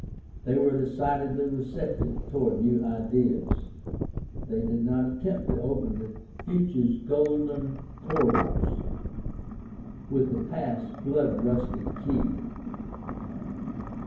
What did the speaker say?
They were decidedly receptive toward new ideas. They did not attempt to open "the future's golden portals with the past's blood rusted key."